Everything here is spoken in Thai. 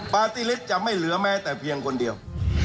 ปาร์ตี้เล็กจะไม่เหลือแม้แต่เพียงคนเดียว